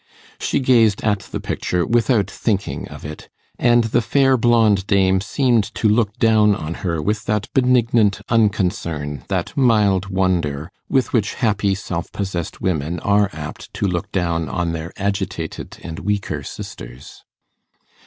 She gazed at the picture without thinking of it, and the fair blonde dame seemed to look down on her with that benignant unconcern, that mild wonder, with which happy self possessed women are apt to look down on their agitated and weaker sisters.